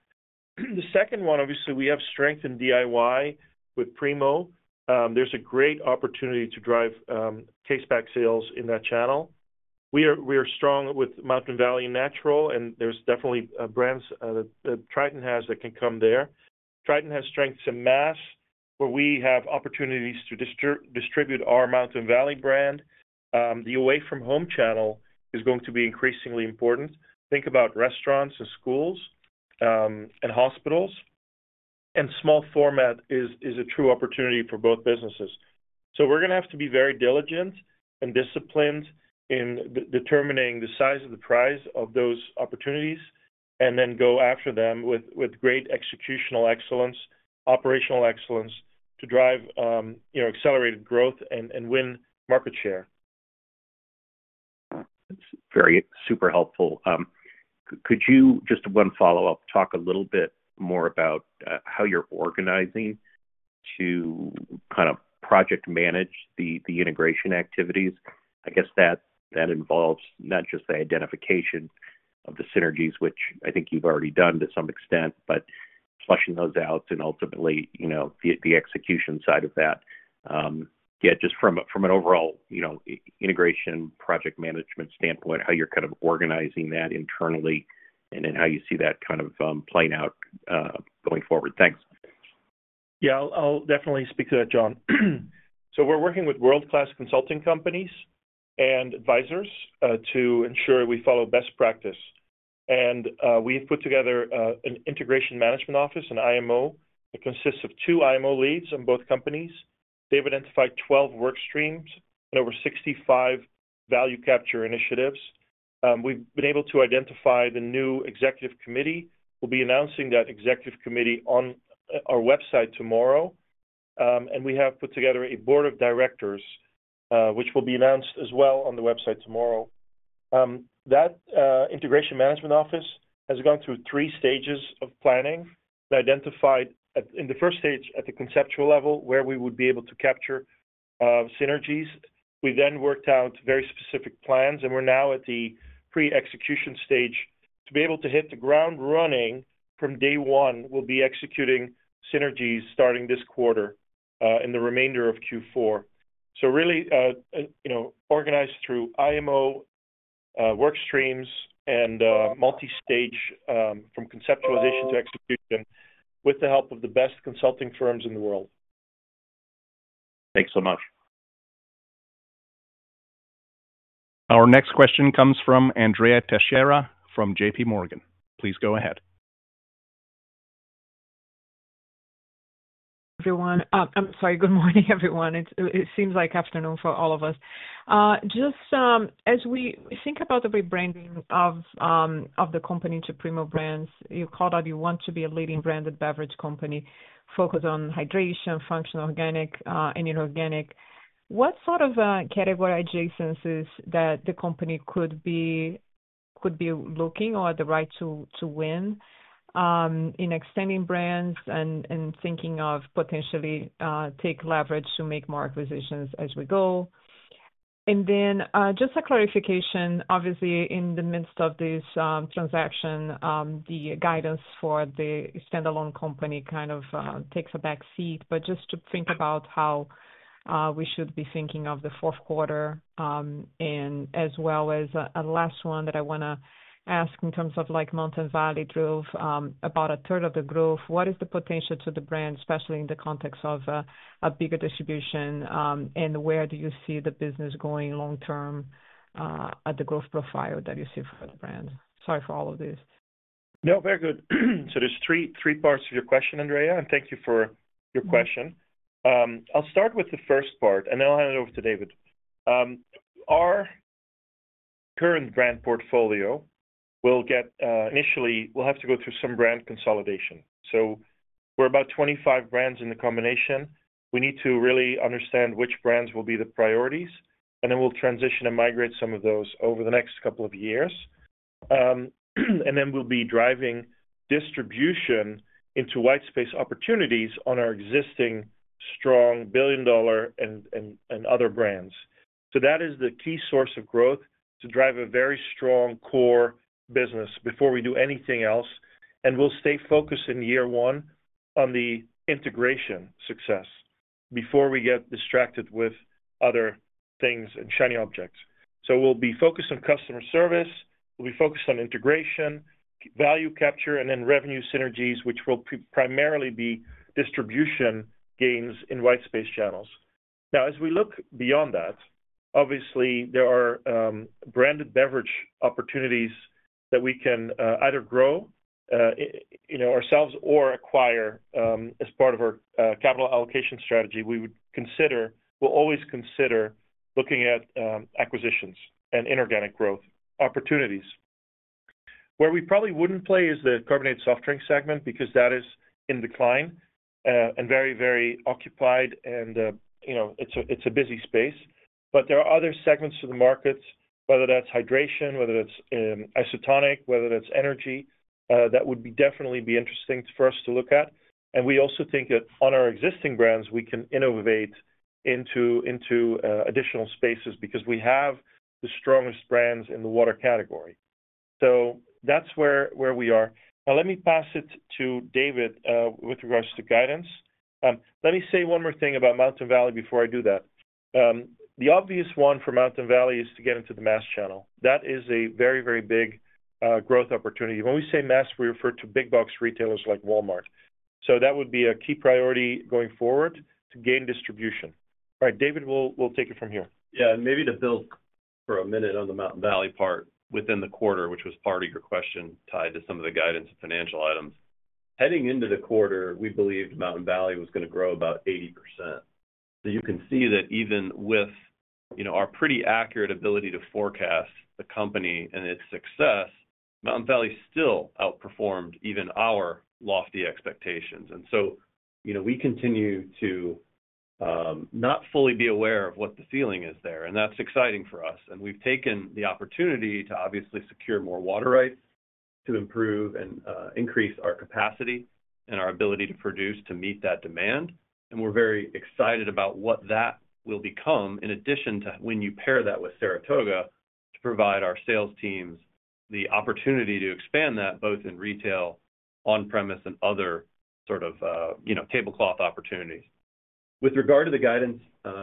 The second one, obviously we have strength in DIY with Primo. There's a great opportunity to drive case pack sales in that channel. We are strong with Mountain Valley Natural and there's definitely brands that Triton has that can come there. Triton has strengths in Mass where we have opportunities to distribute our Mountain Valley brand. The Away from Home channel is going to be increasingly important. Think about restaurants and schools and hospitals and small format is a true opportunity for both businesses. We're going to have to be very diligent and disciplined in determining the size of the prize of those opportunities and then go after them with great executional excellence, operational excellence to drive accelerated growth and win market share. Very super helpful. Could you just one follow up, talk a little bit more about how you're organizing to kind of project manage the integration activities. I guess that involves not just the identification of the synergies which I think you've already done to some extent, but fleshing those out and ultimately the execution side of that. Yeah, just from an overall, you know, integration, project management standpoint, how you're kind of organizing that internally and then how you see that kind of playing out going forward. Thanks. Yeah, I'll definitely speak to that, Jon. So we're working with world-class consulting companies and advisors to ensure we follow best practice. And we've put together an Integration Management Office, an IMO. It consists of two IMO leads on both companies. They've identified 12 work streams and over 65 value capture initiatives. We've been able to identify the new executive committee. We'll be announcing that executive committee on our website tomorrow and we have put together a board of directors which will be announced as well on the website tomorrow. That Integration Management Office has gone through three stages of planning, identified in the first stage at the conceptual level where we would be able to capture synergies. We then worked out very specific plans and we're now at the pre-execution stage to be able to hit the ground running from day one. We'll be executing synergies starting this quarter in the remainder of Q4. So really organized through IMO work streams and multi stage from conceptualization to execution with the help of the best consulting firms in the world. Thanks so much. Our next question comes from Andrea Teixeira from J.P. Morgan. Please go ahead. Everyone. I'm sorry. Good morning everyone. It seems like afternoon for all of us just as we think about the rebranding of the company into Primo Brands. You called out you want to be a leading branded beverage company. Focus on hydration, functional, organic and inorganic. What sort of category adjacencies that the company could be looking or the right to win in extending brands and thinking of potentially take leverage to make more acquisitions as we go? And then just a clarification. Obviously in the midst of this transaction, the guidance for the standalone company kind of takes a back seat. But just to think about how we should be thinking of the fourth quarter and as well as a last one that I want to ask in terms of like Mountain Valley drove about a third of the growth, what is the potential to the brand, especially in the context of a bigger distribution and where do you see the business going long term at the growth profile that you see for the brand? Sorry for all of this. No. Very good, so there's three parts of your question, Andrea, and thank you for your question. I'll start with the first part and then I'll hand it over to David. Our current brand portfolio will have to go through some brand consolidation. So we're about 25 brands in the combination. We need to really understand which brands will be the priorities, and then we'll transition and migrate some of those over the next couple of years, and then we'll be driving distribution into white space opportunities on our existing strong billion-dollar and other brands. So that is the key source of growth to drive a very strong core business before we do anything else, and we'll stay focused in year one on the integration success before we get distracted with other things and shiny objects. So we'll be focused on customer service, we'll be focused on integration, value capture and then revenue synergies, which will primarily be distribution gains in white space channels. Now as we look beyond that, obviously there are branded beverage opportunities that we can either grow ourselves or acquire as part of our capital allocation strategy. We would consider, we'll always consider looking at acquisitions and inorganic growth opportunities. Where we probably wouldn't play is the carbonated soft drink segment because that is in decline and very, very occupied. And you know, it's a busy space. But there are other segments of the markets, whether that's hydration, whether it's isotonic, whether that's energy. That would definitely be interesting for us to look at. And we also think that on our existing brands we can innovate into additional spaces because we have the strongest brands in the water category. So that's where we are now. Let me pass it to David with regards to guidance. Let me say one more thing about Mountain Valley before I do that. The obvious one for Mountain Valley is to get into the mass channel. That is a very, very big growth opportunity. When we say mass, we refer to big box retailers like Walmart. So that would be a key priority going forward to gain distribution. All right, David, we'll take it from here. Yeah, maybe to build for a minute on the Mountain Valley part within the quarter, which was part of your question tied to some of the guidance and financial items heading into the quarter. We believed Mountain Valley was going to grow about 80%. So you can see that even with our pretty accurate ability to forecast the company and its success, Mountain Valley still outperformed even our lofty expectations. And so, you know, we continue to not fully be aware of what the ceiling is there. And that's exciting for us. And we've taken the opportunity to obviously. Secure more water rights to improve and. Increase our capacity and our ability to produce to meet that demand, and we're very excited about what that will become. In addition, when you pair that with Saratoga to provide our sales teams the opportunity to expand that both in retail on-premise and other sort of, you know, tablecloth opportunities. With regard to the guidance,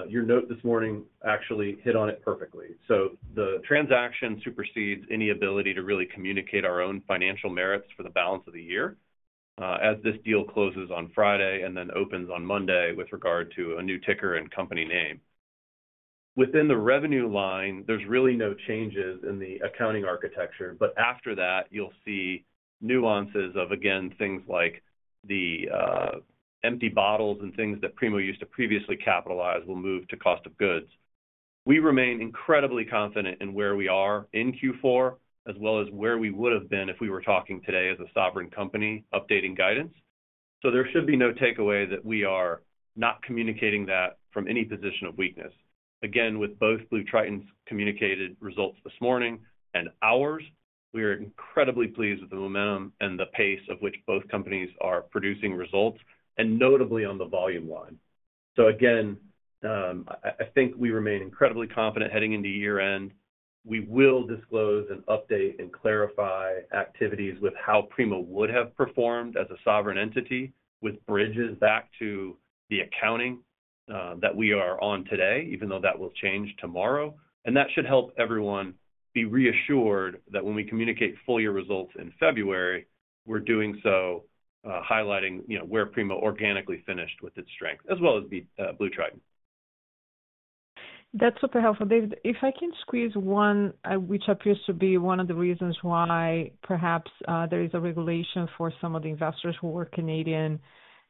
your note this morning actually hit on it perfectly, so the transaction supersedes any ability to really communicate our own financial merits for the balance of the year, as this deal closes on Friday and then opens on Monday. With regard to a new ticker and company name within the revenue line, there's really no changes in the accounting architecture, but after that, you'll see nuances of again, things like the empty bottles and things that Primo used to previously capitalize will move to cost of goods. We remain incredibly confident in where we are in Q4 as well as where we would have been if we were talking today as a sovereign company updating guidance. So there should be no takeaway that we are not communicating that from any position of weakness. Again, with both BlueTriton's communicated results this morning and ours, we are incredibly pleased with the momentum and the pace of which both companies are producing results and notably on the volume line. So again, I think we remain incredibly confident heading into year end. We will disclose and update and clarify activities with how Primo would have performed as a sovereign entity with bridges back to the accounting that we are on today, even though that will change tomorrow. That should help everyone be reassured that when we communicate full year results in February, we're doing so highlighting, you know, where Primo organically finished with its strength as well as the BlueTriton. That's super helpful, David, if I can squeeze one, which appears to be one of the reasons why perhaps there is a regulation for some of the investors who are Canadian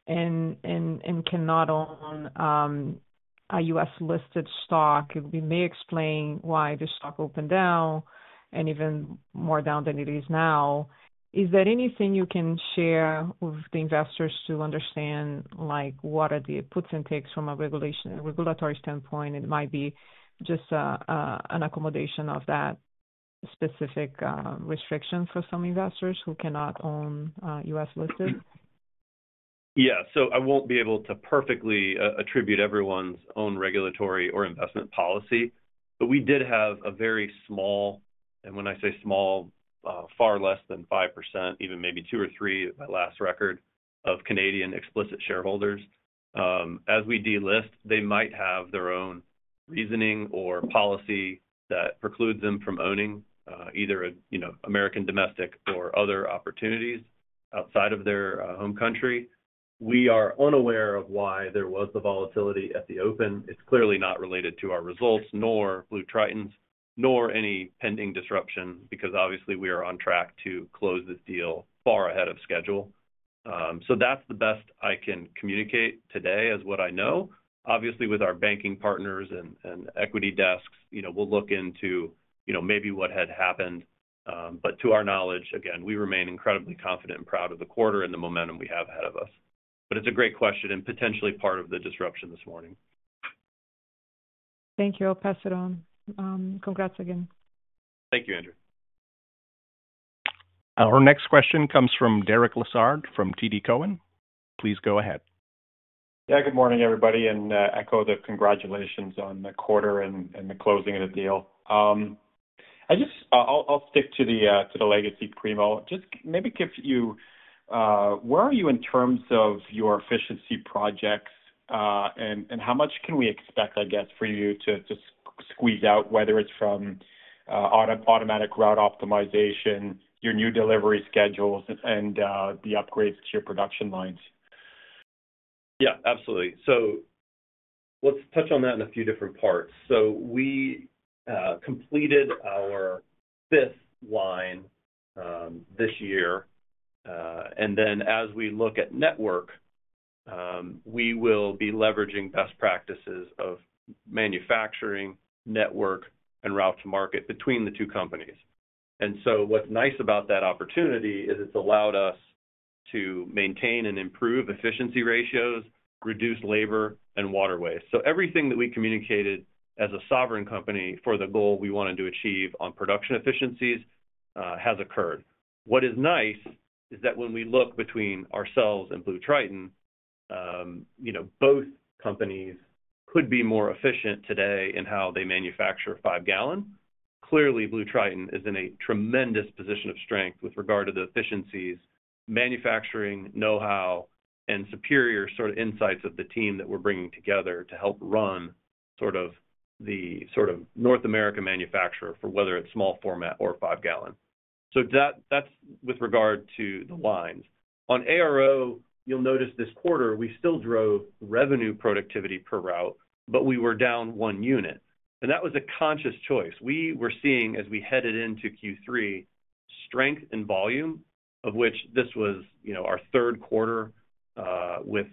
and cannot own a U.S. listed stock, we may explain why the stock opened down and even more down than it is now. Is there anything you can share with the investors to understand what are the puts and takes from a regulatory standpoint? It might be just an accommodation of that specific restriction for some investors who cannot own U.S. listed. Yeah, so I won't be able to perfectly attribute everyone's own regulatory or investment policy, but we did have a very small, and when I say small, far less than 5%, even maybe two or three. My last record of Canadian explicit shareholders as we delist. They might have their own reasoning or policy that precludes them from owning either, you know, American domestic or other opportunities outside of their home country. We are unaware of why there was the volatility at the open. It's clearly not related to our results, nor BlueTriton nor any pending disruption because obviously we are on track to close this deal far ahead of schedule, so that's the best I can communicate today as what I know obviously with our banking partners and equity desks, you know, we'll look into, you know, maybe what had happened, but to our knowledge. Again, we remain incredibly confident and proud of the quarter and the momentum we have ahead of us. But it's a great question and potentially part of the disruption this morning. Thank you, I'll pass it on. Congrats again. Thank you, Andrea. Our next question comes from Derek Lessard from TD Cowen. Please go ahead. Yeah, good morning everybody and echo the congratulations on the quarter and the closing of the deal. I just, I'll stick to the legacy Primo, just maybe give you where are you in terms of your efficiency projects and how much can we expect, I guess for you to squeeze out? Whether it's from automatic route optimization, your new delivery schedules and the upgrades to your production lines. Yeah, absolutely. So let's touch on that in a few different parts. So we completed our fifth line this year and then as we look at network, we will be leveraging best practices of manufacturing network and route to market between the two companies. And so what's nice about that opportunity is it's allowed us to maintain and improve efficiency ratios, reduce labor and water waste. So everything that we communicated as a standalone company for the goal we wanted to achieve on production efficiencies has occurred. What is nice is that when we look between ourselves and BlueTriton, you know, both companies could be more efficient today in how they manufacture 5-gallon. Clearly BlueTriton is in a tremendous position of strength with regard to the efficiencies, manufacturing know-how, and superior sort of insights of the team that we're bringing together to help run sort of the North American manufacturing for whether it's small format or 5-gallon. So that's with regard to the lines on ARO. You'll notice this quarter we still drove revenue productivity per route, but we were down one unit and that was a conscious choice. We were seeing as we headed into Q3 strength in volume, of which this was our third quarter with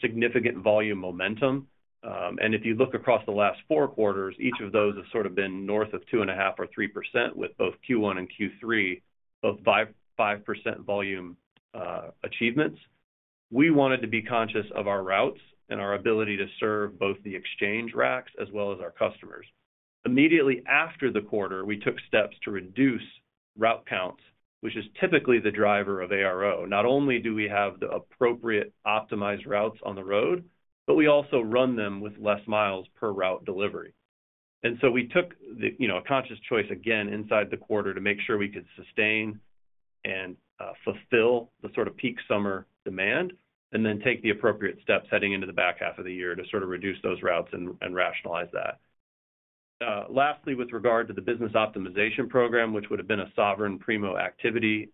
significant volume momentum, and if you look across the last four quarters, each of those has sort of been north of 2.5% or 3% with both Q1 and Q3 of 5% volume achievements. We wanted to be conscious of our routes and our ability to serve both the exchange racks as well as our customers. Immediately after the quarter we took steps to reduce route counts, which is typically the driver of ARO. Not only do we have the appropriate optimized routes on the road, but we also run them with less miles per route delivery. And so we took a conscious choice again inside the quarter to make sure we could sustain and fulfill the sort of peak summer demand and then take the appropriate steps heading into the back half of the year to sort of reduce those routes and rationalize that. Lastly, with regard to the business optimization program, which would have been a sovereign Primo activity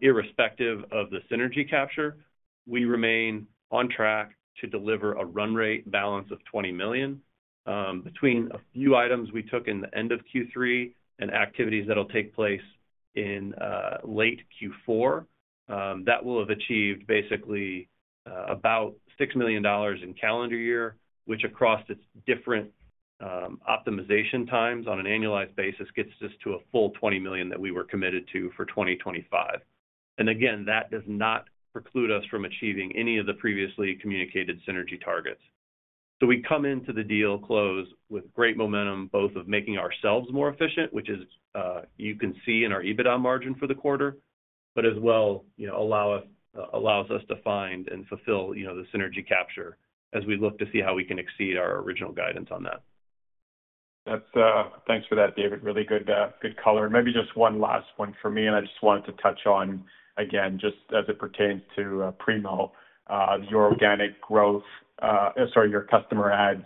irrespective of the synergy capture, we remain on track to deliver a run rate balance of $20 million between a few items we took in the end of Q3 and activities that will take place in late Q4 that will have achieved basically about $6 million in calendar year, which across its different optimization times on an annualized basis gets us to a full $20 million that we were committed to for 2025. And again, that does not preclude us from achieving any of the previously communicated synergy targets. So, we come into the deal close with great momentum both of making ourselves more efficient, which is you can see in our EBITDA margin for the quarter, but as well allows us to find and fulfill the synergy capture as we look to see how we can exceed our original guidance on that. Thanks for that, David. Really good color. Maybe just one last one for me and I just wanted to touch on again just as it pertains to Primo, your organic growth, sorry, your customer adds,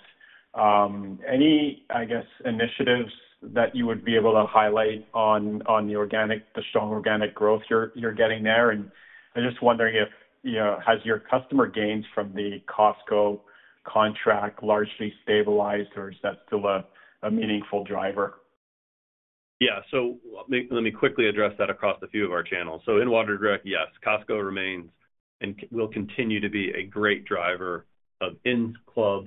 any I guess initiatives that you would be able to highlight on the strong organic growth you're getting there. And I'm just wondering if has your customer gains from the Costco contract largely stabilized or is that still a meaningful driver? Yeah. So let me quickly address that across a few of our channels. So in Water Direct, yes, Costco remains and will continue to be a great driver of in-club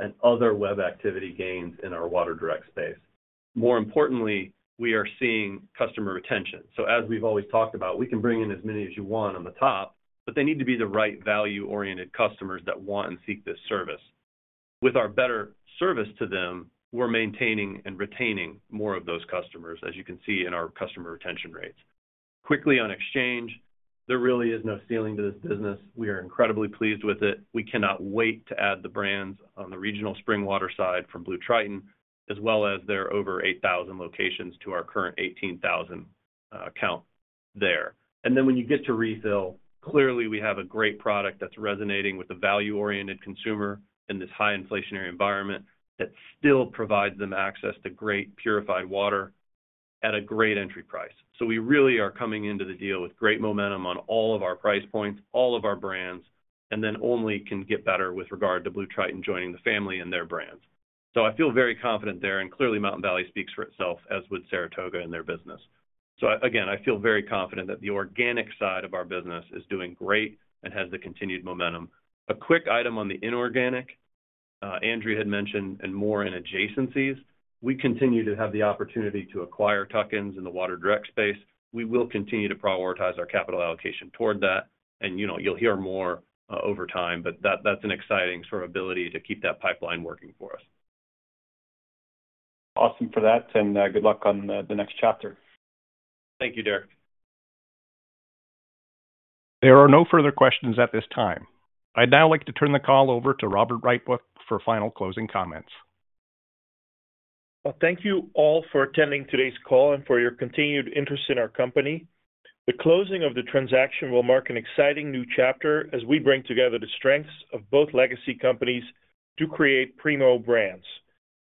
and other web activity gains in our Water Direct space. More importantly, we are seeing customer retention. So as we've always talked about, we can bring in as many as you want on the top, but they need to be the right value oriented customers that want and seek this service. With our better service to them, we're maintaining and retaining more of those customers as you can see in our customer retention rates quickly on Exchange. There really is no ceiling to this business. We are incredibly pleased with it. We cannot wait to add the brands on the regional spring water side from BlueTriton as well as their over 8,000 locations to our current 18,000 count there, and then when you get to Refill. Clearly, we have a great product that's resonating with the value-oriented consumer in this high inflationary environment that still provides them access to great purified water at a great entry price, so we really are coming into the deal with great momentum on all of our price points, all of our brands, and then only can get better with regard to BlueTriton joining the family and their brands, so I feel very confident there, and clearly Mountain Valley speaks for itself as would Saratoga and their business, so again I feel very confident that the organic side of our business is doing great and has the continued momentum. A quick item on the inorganic Andrea had mentioned and more in adjacencies. We continue to have the opportunity to acquire tuck-ins in the Water Direct space. We will continue to prioritize our capital allocation toward that and you know, you'll hear more over time. But that's an exciting sort of ability to keep that pipeline working for us. Awesome for that and good luck on the next chapter. Thank you Derek. There are no further questions at this time. I'd now like to turn the call over to Robert Rietbroek for final closing comments. Thank you all for attending today's call and for your continued interest in our company. The closing of the transaction will mark an exciting new chapter as we bring together the strengths of both legacy companies to create Primo Brands.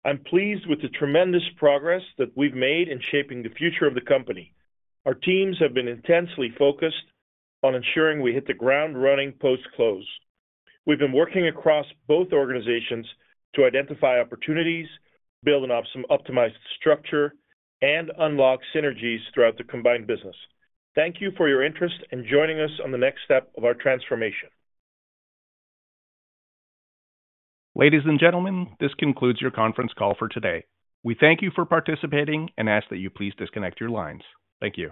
I'm pleased with the tremendous progress that we've made in shaping the future of the company. Our teams have been intensely focused on ensuring we hit the ground running post close. We've been working across both organizations to identify opportunities, build an optimized structure and unlock synergies throughout the combined business. Thank you for your interest and joining us on the next step of our transformation. Ladies and gentlemen, this concludes your conference call for today. We thank you for participating and ask that you please disconnect your lines. Thank you.